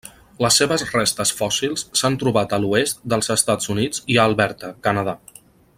Les seves restes fòssils s'han trobat a l'oest dels Estats Units i a Alberta, Canadà.